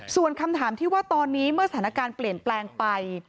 ส่วนคำถามที่ว่าตอนนี้เมื่อสถานการณ์เปลี่ยนแปลงไป